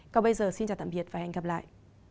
còn bây giờ xin chào tạm biệt và hẹn gặp lại